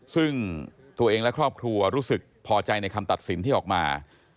ซึ่งตัวเองและครอบครัวรู้สึกพอใจในคำตัดสินที่ออกมา